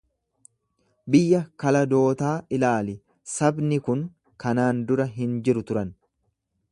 Biyya Kaladootaa ilaali, sabni kun kanaan dura hin jiru turan.